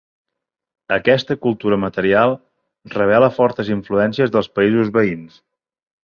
Aquesta cultura material revela fortes influències dels països veïns.